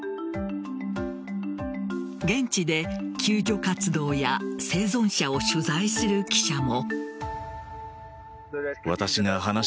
現地で救助活動や生存者を取材する記者も。